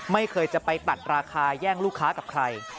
ไม่เคยจะไปตัดราคาแย่งลูกค้ากับใคร